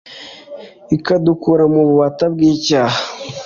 ikadukura mu bubāta bw'icyaha